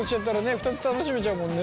２つ楽しめちゃうもんね。